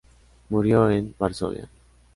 Murió en Varsovia.